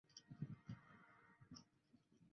范氏姮是嘉定省新和县新年东村出生。